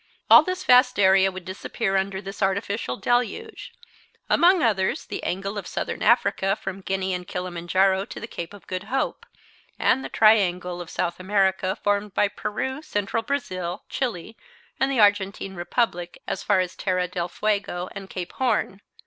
All this vast area would disappear under this artificial deluge, among others the angle of Southern Africa from Guinea and Kilimanjaro to the Cape of Good Hope, and the triangle of South America formed by Peru, Central Brazil, Chili, and the Argentine Republic, as far as Terra del Fuego and Cape Horn.